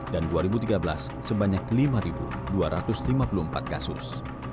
dan dua ribu tiga belas sebanyak lima dua ratus lima puluh empat kasus